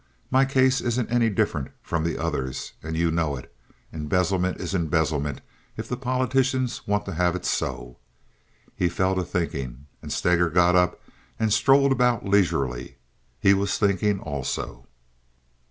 "My case isn't any different from the others, and you know it. Embezzlement is embezzlement if the politicians want to have it so." He fell to thinking, and Steger got up and strolled about leisurely. He was thinking also.